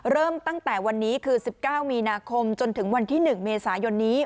เริ่มตั้งแต่วันนี้คือ๑๙มีนาคมจนถึงวันที่๑เมษายนนี้